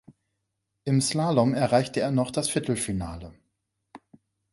Im Slalom erreichte er noch das Viertelfinale.